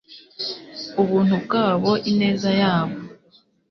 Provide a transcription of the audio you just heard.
ubuntu bwabo, ineza yabo